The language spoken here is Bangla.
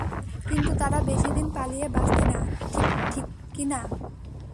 কিন্তু তারা বেশিদিন পালিয়ে বাচতে পারবেনা, ঠিক না?